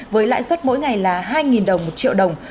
giá xuất mỗi ngày là hai đồng một triệu đồng